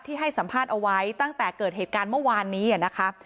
ให้สัมภาษณ์เอาไว้ตั้งแต่เกิดเหตุการณ์เมื่อวานนี้นะคะ